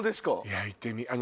焼いてみ！